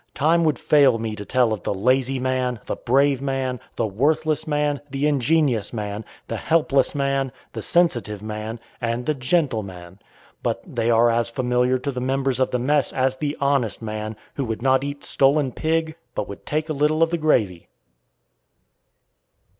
Time would fail me to tell of the "lazy man," the "brave man," the "worthless man," the "ingenious man," the "helpless man," the "sensitive man," and the "gentleman," but they are as familiar to the members of the mess as the "honest man," who would not eat stolen pig, but would "take a little of the gravy."